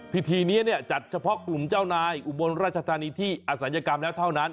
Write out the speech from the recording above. พิธีนี้เนี่ยจัดเฉพาะกลุ่มเจ้านายอุบลราชธานีที่อศัลยกรรมแล้วเท่านั้น